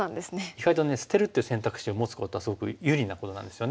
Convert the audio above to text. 意外とね捨てるっていう選択肢を持つことはすごく有利なことなんですよね。